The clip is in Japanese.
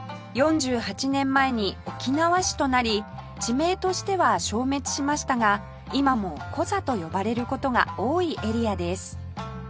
４８年前に沖縄市となり地名としては消滅しましたが今もコザと呼ばれる事が多いエリアです